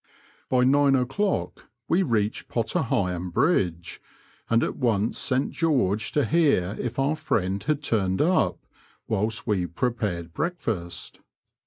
Bj nine o'clock we reached Potter Heigham Bridge, and at once sent George to hear if our friend had turned up, whilst we prepared breakfast.